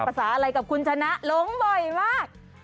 ภาษาอะไรกับคุณชนะหลงบ่อยมาก